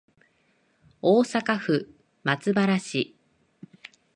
大阪府松原市